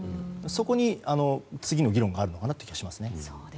そこに次の議論があるのかなという気がしますね。